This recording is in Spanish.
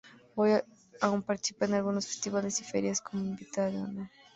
Hoy aún participa en algunos festivales y ferias como invitada de honor.